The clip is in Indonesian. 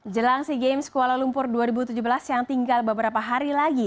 jelang sea games kuala lumpur dua ribu tujuh belas yang tinggal beberapa hari lagi